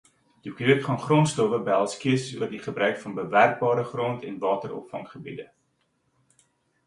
Die kweek van grondstowwe behels keuses oor die gebruik van bewerkbare grond en wateropvanggebiede.